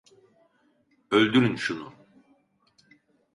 Öldürün şunu!